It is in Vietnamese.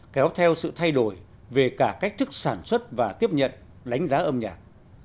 kéo theo sự thay đổi về cả cách thức sản xuất và tiếp nhận đánh giá âm nhạc